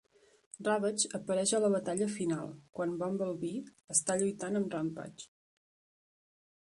Ravage apareix a la batalla final, quan Bumblebee està lluitant amb Rampage.